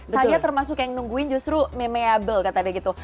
saya termasuk yang nungguin justru memeable katanya gitu